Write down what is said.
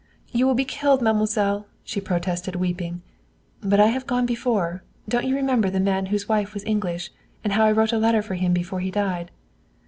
"You will be killed, mademoiselle," she protested, weeping. "But I have gone before. Don't you remember the man whose wife was English, and how I wrote a letter for him before he died?"